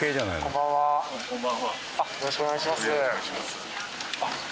よろしくお願いします。